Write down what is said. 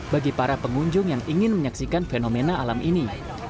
bagi para pengunjung yang ingin menyaksikan fenomena alam ini